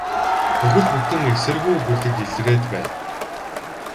Бүхэл бүтэн эсэргүү бүлэг илрээд байна.